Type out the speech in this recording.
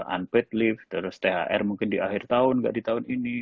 unpaid leave terus thr mungkin di akhir tahun gak di tahun ini